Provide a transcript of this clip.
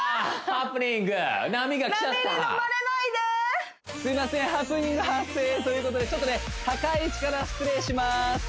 ハプニング発生ということでちょっとね高い位置から失礼します